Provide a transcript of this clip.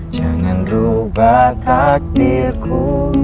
jangan rubah takdirku